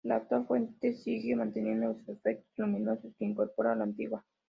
La actual fuente sigue manteniendo los efectos luminosos que incorporaba la antigua.